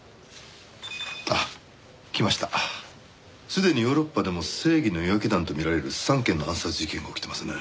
すでにヨーロッパでも正義の夜明け団と見られる３件の暗殺事件が起きてますね。